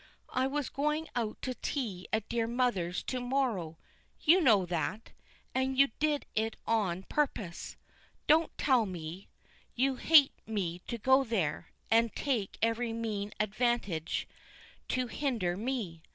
I was going out to tea at dear mother's to morrow you knew that; and you did it on purpose. Don't tell me; you hate me to go there, and take every mean advantage to hinder me.